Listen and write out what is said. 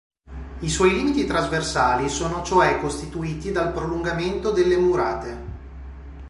I suoi limiti trasversali sono cioè costituiti dal prolungamento delle murate.